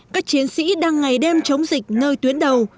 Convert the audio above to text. các chiến sĩ đang ngày đêm chống dịch nơi tuyến đầu